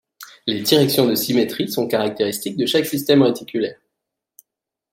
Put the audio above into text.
Les directions de symétrie sont caractéristiques de chaque système réticulaire.